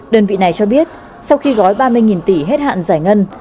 đơn vị này cho biết sau khi gói ba mươi tỷ hết hạn giải ngân